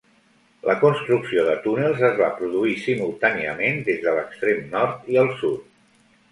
La construcció de túnels es va produir simultàniament des de l'extrem nord i el sud.